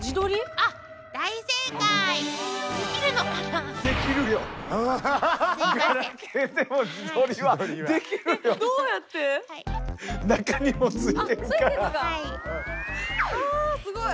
ああすごい。